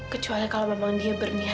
kecuali kalau memang dia berniat